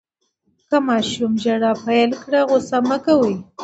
که ماشوم ژړا پیل کړه، غوصه مه کوئ.